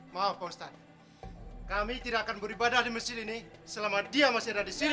maaf pak ustadz kami tidak akan beribadah di masjid ini selama dia masih ada di sini